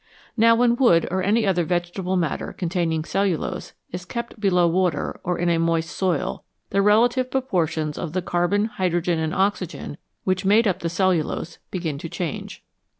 Now when wood or any other vegetable matter con taining cellulose is kept below water or in a moist soil, the relative proportions of the carbon, hydrogen, and oxygen which made up the cellulose begin to change.